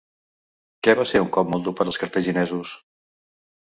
Què va ser un cop molt dur per als cartaginesos?